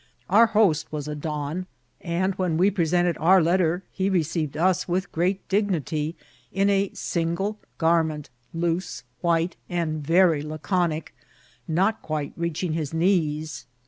Our host was a don ; and when we present* ed our letter he received us with great dignity in a sin* gle garment, loose, white, and very laconic, not quite reaching his knees.